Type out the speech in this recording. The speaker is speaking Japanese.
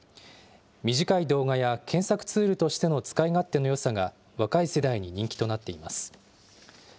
短い動画や検索ツールとしての使い勝手のよさが若い世代に人気となっています。